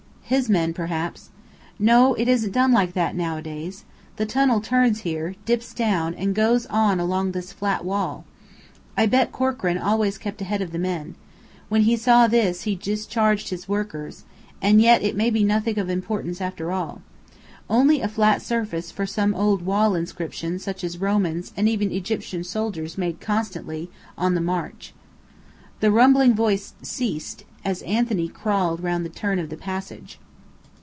"His men, perhaps." "No, it isn't done like that nowadays. The tunnel turns here, dips down, and goes on along this flat wall. I bet Corkran always kept ahead of the men. When he saw this, he discharged his workers And yet, it may be nothing of importance after all. Only a flat surface for some old wall inscription such as Romans and even Egyptian soldiers made constantly, on the march." The rumbling voice ceased, as Anthony crawled round the turn of the passage.